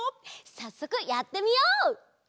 さっそくやってみよう！